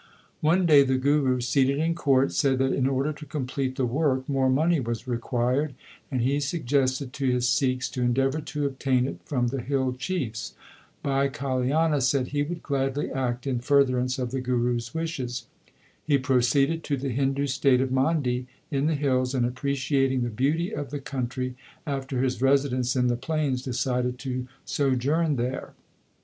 One day the Guru seated in court, said that in order to complete the work more money was required, and he suggested to his Sikhs to endeavour to obtain it from the hill chiefs. Bhai Kaliana said he would gladly act in furtherance of the Guru s wishes. He proceeded to the Hindu state of Mandi in the hills, and appreciating the beauty of the country after his residence in the plains decided to sojourn there.